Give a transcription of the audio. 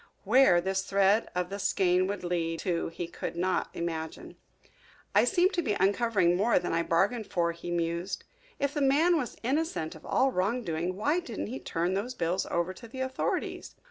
Where this thread of the skein would lead to he could not imagine. "I seem to be uncovering more than I bargained for," he mused. "If the man was innocent of all wrong doing why didn't he turn those bills over to the authorities?